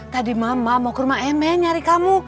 tadi mama mau kerumah emeh nyari kamu